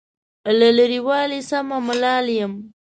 له لرې والي سمه ملال یم.